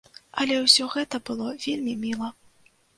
Але ўсё гэта было вельмі міла.